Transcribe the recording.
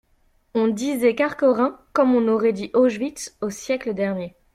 On disait Kharkhorin comme on aurait dit Auschwitz au siècle dernier